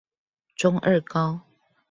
中二高